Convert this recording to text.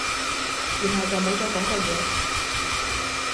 然後就冇再講過嘢